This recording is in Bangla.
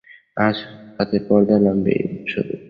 আজ রাতে পর্দা নামবে এ উৎসবের।